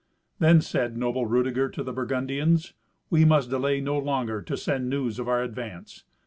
Then said noble Rudeger to the Burgundians, "We must delay no longer to send news of our advance.